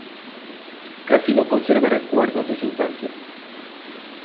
Casi no conserva recuerdos de su infancia.